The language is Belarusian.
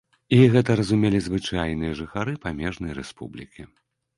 І гэта разумелі звычайныя жыхары памежнай рэспублікі.